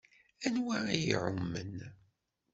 Anwa i iɛummen?